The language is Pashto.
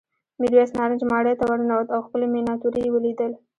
میرويس نارنج ماڼۍ ته ورننوت او ښکلې مېناتوري یې ولیدل.